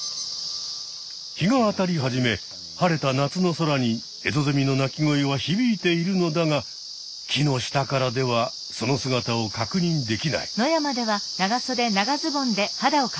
日が当たり始め晴れた夏の空にエゾゼミの鳴き声はひびいているのだが木の下からではその姿をかくにんできない。